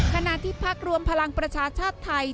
ขณะที่พักรวมพลังประชาชาติไทย